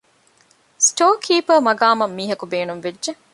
ސްޓޯރ ކީޕަރ މަޤާމަށް މީހަކު ބޭނުންވެއްްޖެ